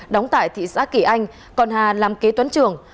đóng tại thị xã kỳ anh còn hà làm kế toán trưởng